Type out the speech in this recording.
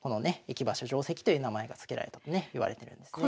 駅馬車定跡という名前が付けられたとねいわれてるんですね。